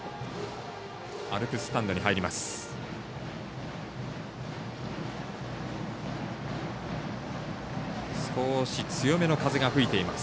アルプススタンドに入ります。